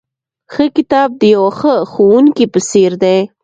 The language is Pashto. ښه کتاب د یوه ښه ښوونکي په څېر دی.